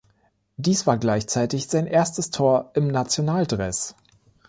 Dies war gleichzeitig sein erstes Tor im Nationaldress.